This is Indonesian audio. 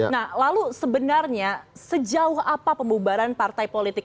nah lalu sebenarnya sejauh apa pembubaran partai politik